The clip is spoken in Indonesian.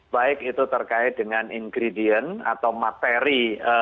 baik itu terkait dengan ingredient atau materi